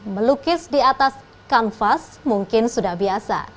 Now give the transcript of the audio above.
melukis di atas kanvas mungkin sudah biasa